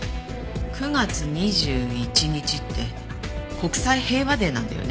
９月２１日って国際平和デーなんだよね。